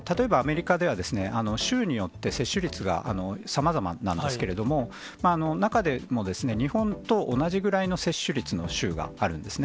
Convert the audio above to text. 例えばアメリカでは、州によって、接種率がさまざまなんですけれども、中でも、日本と同じぐらいの接種率の州があるんですね。